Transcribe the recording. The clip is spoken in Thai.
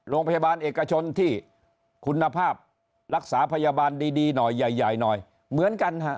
โรงพยาบาลเอกชนที่คุณภาพรักษาพยาบาลดีหน่อยใหญ่หน่อยเหมือนกันฮะ